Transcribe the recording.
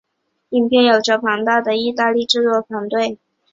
影片有着庞大的意大利制作团队。